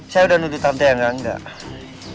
saya udah nuduh tante yang enggak